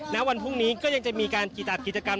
ณวันพรุ่งนี้ก็ยังจะมีการกีตัดกิจกรรม